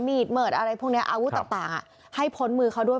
เมิดอะไรพวกนี้อาวุธต่างให้พ้นมือเขาด้วย